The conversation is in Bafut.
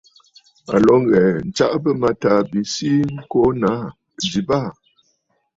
À lǒ ŋghɛ̀ɛ̀ ǹtsaʼa bɨ̂mâtaà bi sii ŋko naà ji baà.